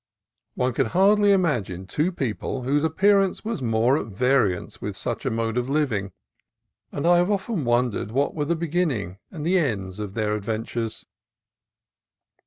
One could hardly imagine two people whose appearance was more at variance with such a mode of living, and I have often wondered what were the beginning and the end of their adventures.